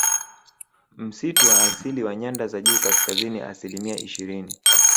Msitu wa asili wa nyanda za juu kaskazini asilimia ishirini